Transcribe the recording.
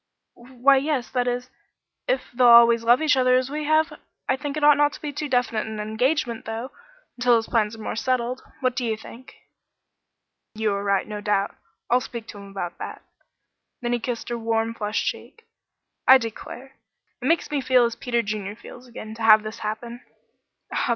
"Why yes that is if they'll always love each other as we have. I think it ought not to be too definite an engagement, though, until his plans are more settled. What do you think?" "You are right, no doubt. I'll speak to him about that." Then he kissed her warm, flushed cheek. "I declare, it makes me feel as Peter Junior feels again, to have this happen."